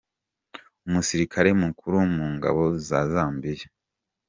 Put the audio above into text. Umusirikare Mukuru mu ngabo za Zambia, Lt Col.